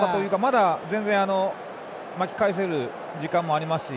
まだ、全然巻き返せる時間もありますし